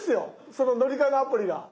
その乗り換えのアプリが。